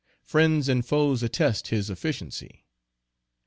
Friends and foes attest his efficiency.